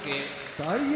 ・大栄